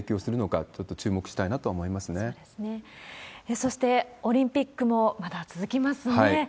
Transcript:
そして、オリンピックもまだ続きますね。